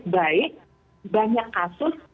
baik banyak kasus